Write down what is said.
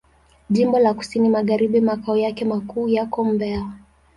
Jimbo la Kusini Magharibi Makao yake makuu yako Mbeya.